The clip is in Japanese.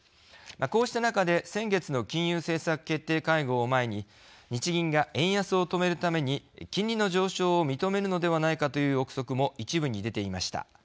こうした中で先月の金融政策決定会合を前に日銀が円安を止めるために金利の上昇を認めるのではないかという臆測も一部に出ていました。